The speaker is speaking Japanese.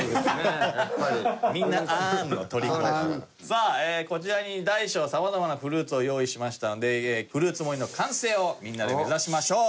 さあこちらに大小様々なフルーツを用意しましたのでフルーツ盛りの完成をみんなで目指しましょう。